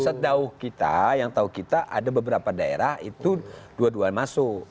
sejauh kita yang tahu kita ada beberapa daerah itu dua duanya masuk